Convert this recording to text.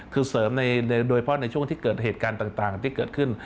คือเสริมโดยเฉพาะในช่วงที่เกิดเหตุการณ์ต่างที่เกิดขึ้น